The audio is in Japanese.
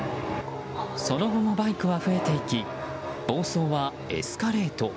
その後もバイクは増えていき暴走はエスカレート。